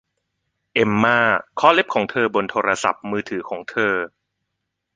เอมม่าเคาะเล็บของเธอบนโทรศัพท์มือถือของเธอ